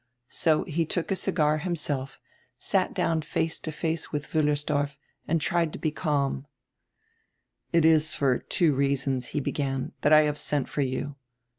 So he took a cigar himself, sat down face to face widi Wiillers dorf, and tried to be calm. "It is for two reasons," he began, "tiiat I have sent for you.